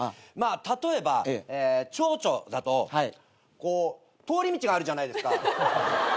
例えばチョウチョだとこう通り道があるじゃないですか。